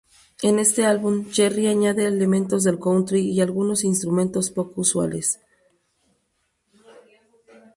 En este álbum, Jerry añade elementos del country y algunos instrumentos poco usuales.